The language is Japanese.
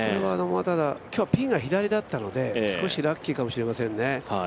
ただ、今日はピンが左だったので少しラッキーだったかもしれませんね。